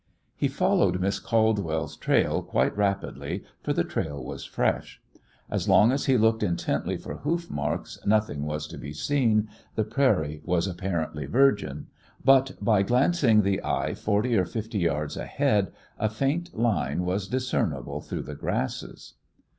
He followed Miss Caldwell's trail quite rapidly, for the trail was fresh. As long as he looked intently for hoof marks, nothing was to be seen, the prairie was apparently virgin; but by glancing the eye forty or fifty yards ahead, a faint line was discernible through the grasses.